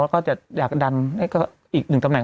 แล้วก็จะอยากดันให้ก็อีกหนึ่งตำแหน